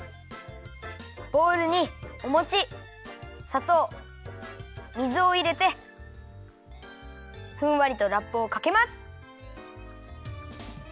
ボウルにおもちさとう水をいれてふんわりとラップをかけます。